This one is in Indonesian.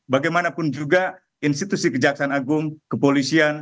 bagaimanapun juga institusi kejaksaan agung kepolisian